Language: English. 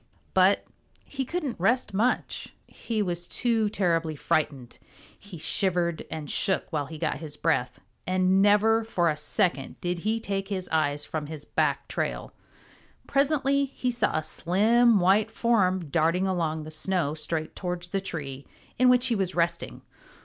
But he couldn't rest much. He was too terribly frightened. He shivered and shook while he got his breath, and never for a second did he take his eyes from his back trail. Presently he saw a slim white form darting along the snow straight towards the tree in which he was resting.